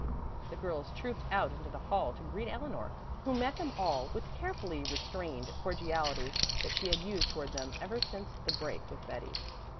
The girls trooped out into the hall to greet Eleanor, who met them all with the carefully restrained cordiality that she had used toward them ever since the break with Betty.